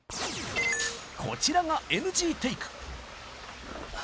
こちらがＮＧテイク